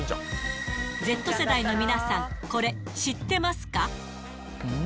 Ｚ世代の皆さん、これ知ってますか？